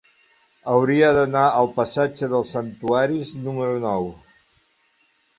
Hauria d'anar al passatge dels Santuaris número nou.